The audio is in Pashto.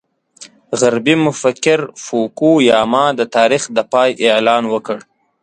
غربي مفکر فوکو یاما د تاریخ د پای اعلان وکړ.